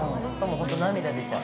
本当、涙出ちゃう。